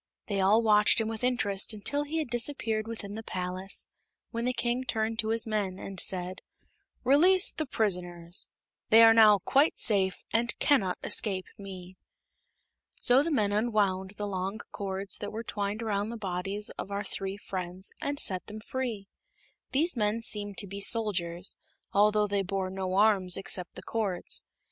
They all watched him with interest until he had disappeared within the palace, when the King turned to his men and said: "Release the prisoners. They are now quite safe, and cannot escape me." So the men unwound the long cords that were twined around the bodies of our three friends, and set them free. These men seemed to be soldiers, although they bore no arms except the cords.